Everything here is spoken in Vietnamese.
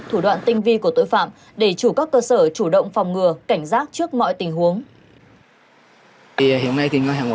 thủ đoạn tinh vi của tội phạm để chủ các cơ sở chủ động phòng ngừa cảnh giác trước mọi tình huống